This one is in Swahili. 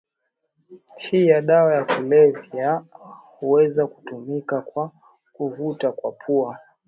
hii ya dawa ya kulevya huweza kutumika kwa kuvuta kwa pua